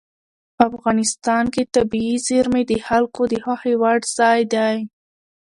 افغانستان کې طبیعي زیرمې د خلکو د خوښې وړ ځای دی.